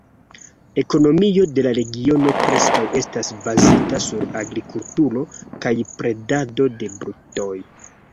Ekonomio de la regiono preskaŭ estas bazita sur agrikulturo kaj bredado de brutoj.